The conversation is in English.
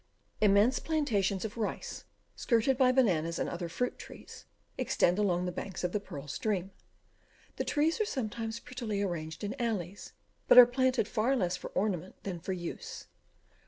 Immense plantations of rice, skirted by bananas and other fruit trees, extend along the banks of the Pearl stream. The trees are sometimes prettily arranged in alleys, but are planted far less for ornament than for use.